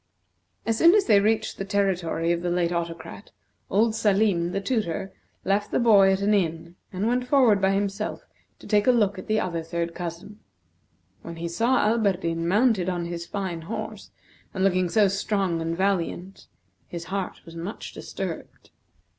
As soon as they reached the territory of the late Autocrat, old Salim, the tutor, left the boy at an inn, and went forward by himself to take a look at the other third cousin. When he saw Alberdin mounted on his fine horse, and looking so strong and valiant, his heart was much disturbed.